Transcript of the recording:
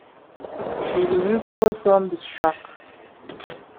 She will recover from this shock.